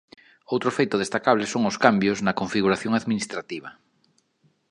Outro feito destacable son os cambios na configuración administrativa.